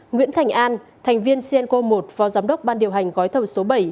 nguyễn thành an thành viên cenco một phó giám đốc ban điều hành gói thầu số bảy